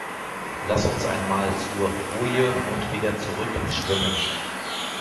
Lass uns einmal zur Boje und wieder zurück schwimmen.